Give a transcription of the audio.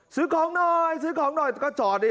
ซื้อของหน่อยซื้อของหน่อยก็จอดดิ